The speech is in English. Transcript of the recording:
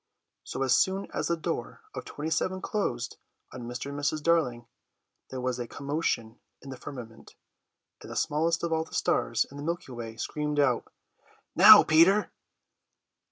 So as soon as the door of 27 closed on Mr. and Mrs. Darling there was a commotion in the firmament, and the smallest of all the stars in the Milky Way screamed out: "Now, Peter!"